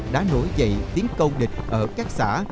đã nổi dậy tiến công địch ở các xã